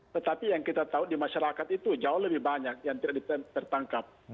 tetapi yang kita tahu di masyarakat itu jauh lebih banyak yang tidak tertangkap